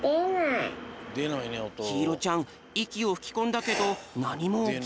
ひいろちゃんいきをふきこんだけどなにもおきない。